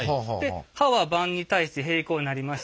刃は盤に対して平行になりました。